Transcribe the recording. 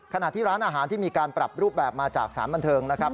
ขณะที่ร้านอาหารที่มีการปรับรูปแบบมาจากสารบันเทิงนะครับ